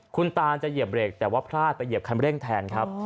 คุณตานจะเหยียบเบรกแต่ว่าพลาดไปเหยียบคันเร่งแทนครับ